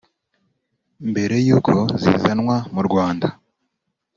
Mbere y’uko zizanwa mu Rwanda